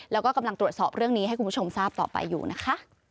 แล้วก็กำลังตรวจสอบเรื่องนี้ให้คุณผู้ชมทราบต่อไปอยู่นะคะ